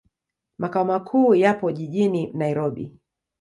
Makao makuu yapo jijini Nairobi.